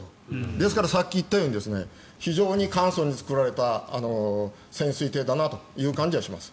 ですからさっき言ったように非常に簡素に造られた潜水艇だなという感じはします。